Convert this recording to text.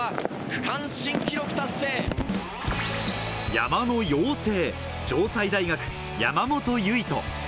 山の妖精、城西大学・山本唯翔。